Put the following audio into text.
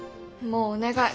もうお願い